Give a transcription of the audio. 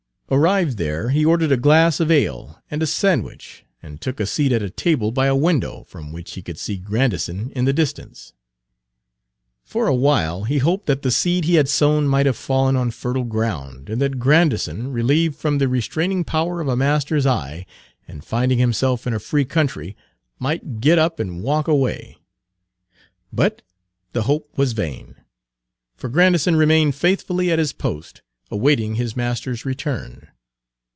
Arrived there he Page 192 ordered a glass of ale and a sandwich, and took a seat at a table by a window, from which he could see Grandison in the distance. For a while he hoped that the seed he had sown might have fallen on fertile ground, and that Grandison, relieved from the restraining power of a master's eye, and finding himself in a free country, might get up and walk away; but the hope was vain, for Grandison remained faithfully at his post, awaiting his master's return.